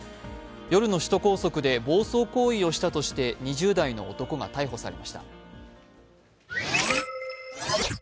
夜の首都高速で暴走行為をしたとして２０代の男が逮捕されました。